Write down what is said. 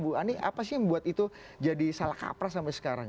bu ani apa sih yang membuat itu jadi salah kaprah sampai sekarang